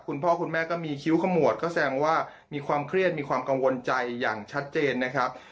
คุณพ่อคุณแม่ก็มีคิ้วขมวดก็แสดงว่ามีความเครียดมีความกังวลใจอย่างชัดเจนนะครับ